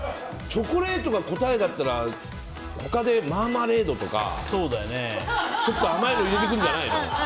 チョコレートが答えだったら他でマーマレードとかちょっと甘いの入れてくるんじゃないの？